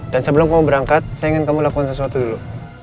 sebelum kamu berangkat saya ingin kamu lakukan sesuatu dulu